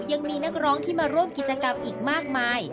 ยังมีนักร้องที่มาร่วมกิจกรรมอีกมากมาย